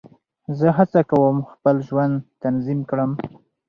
زه هڅه کوم خپل ژوند تنظیم کړم.